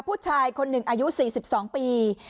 ผู้ชายคนหนึ่งอายุ๔๒ปี